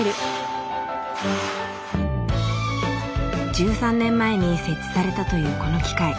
１３年前に設置されたというこの機械。